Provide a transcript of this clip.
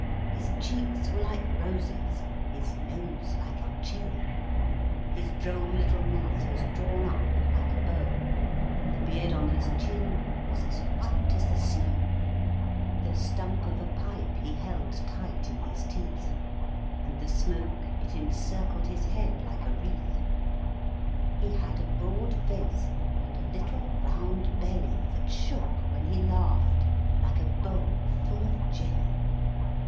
His cheeks were like roses, his nose like a cherry; His droll little mouth was drawn up like a bow, And the beard on his chin was as white as the snow; The stump of a pipe he held tight in his teeth, And the smoke, it encircled his head like a wreath. He had a broad face, and a little round belly That shook when he laughed, like a bowl full of jelly.